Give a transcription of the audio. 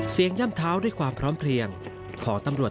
ย่ำเท้าด้วยความพร้อมเพลียงของตำรวจ